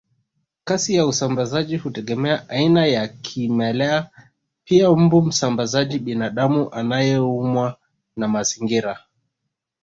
Kasi ya usambazaji hutegemea aina ya kimelea pia mbu msambazaji binadamu anayeumwa na mazingira